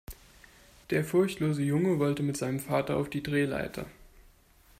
Der furchtlose Junge wollte mit seinem Vater auf die Drehleiter.